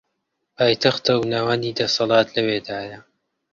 پایتەختە و ناوەندی دەسەڵات لەوێدایە